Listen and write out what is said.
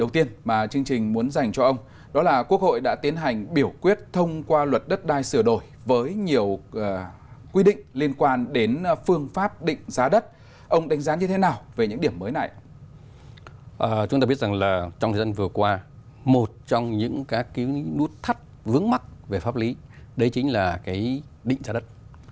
trong thời gian vừa qua một trong những các nút thắt vướng mắt về pháp lý đấy chính là định giá đất